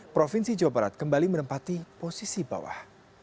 provinsi jawa barat kembali menempati posisi bawah